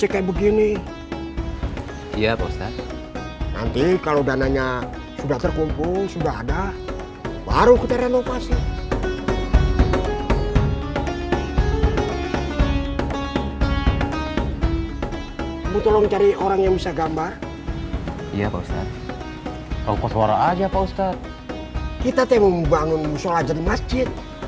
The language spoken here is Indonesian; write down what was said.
kita tuh yang membangun sholat jadi masjid